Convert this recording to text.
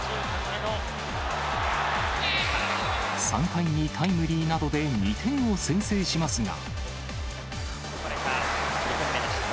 ３回にタイムリーなどで２点を先制しますが。